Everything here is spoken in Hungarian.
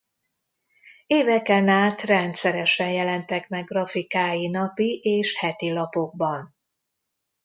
Éveken át rendszeresen jelentek meg grafikái napi- és hetilapokban.